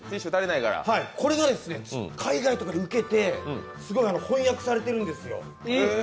これが海外とかでウケて、翻訳されているんですよ。